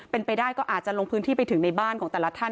เป็นไปได้ก็อาจจะลงพื้นที่ไปถึงในบ้านของแต่ละท่าน